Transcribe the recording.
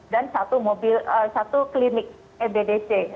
dan satu klinik ebdc